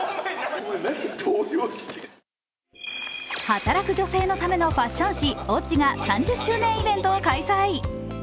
働く女性のためのファッション誌「Ｏｇｇｉ」が３０周年イベントを開催。